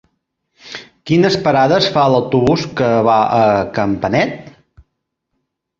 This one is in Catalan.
Quines parades fa l'autobús que va a Campanet?